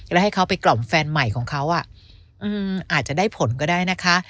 แล้วให้เขาไปกล่อมแฟนใหม่ของเขาอาจจะได้ผลก็ได้นะคะ